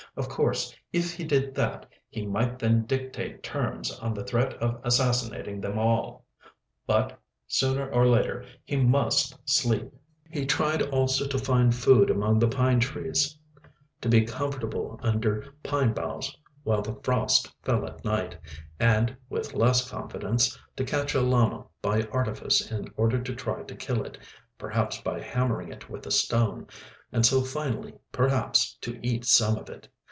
Of course, if he did that, he might then dictate terms on the threat of assassinating them all. But—Sooner or later he must sleep! .... He tried also to find food among the pine trees, to be comfortable under pine boughs while the frost fell at night, and—with less confidence—to catch a llama by artifice in order to try to kill it—perhaps by hammering it with a stone—and so finally, perhaps, to eat some of it.